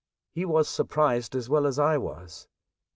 He was surprised as well as I was.